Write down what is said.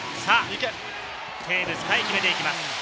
テーブス海、決めていきます。